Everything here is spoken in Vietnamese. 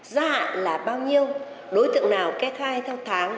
gia hạn là bao nhiêu đối tượng nào kê khai theo tháng